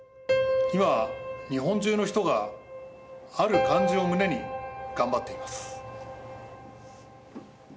今日本中の人がある漢字を胸に頑張っています。